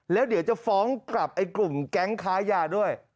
แล้วเดี๋ยวจะฟ้องกลับไอ้กลุ่มแก๊งค้ายาด้วย